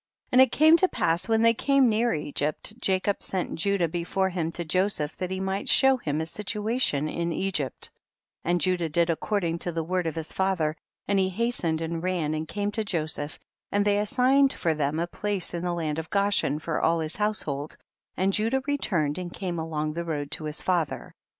6. And it came to pass when they came near Egypt, Jacob sent Judah before him to Joseph that he might show him a situation in Egypt, and Judah did according to the word of his father, and he hastened and ran and came to Joseph, and they as signed for them a place in the land of Goshen for all his household, and Judah returned and came along the road to his father.